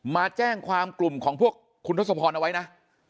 มาแจ้งความกลุ่มของพวกคุณทศพรเอาไว้นะ